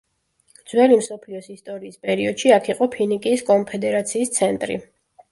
ძველი მსოფლიოს ისტორიის პერიოდში აქ იყო ფინიკიის კონფედერაციის ცენტრი.